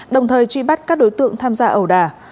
đồng thời truy bắt các đối tượng tham gia ẩu đà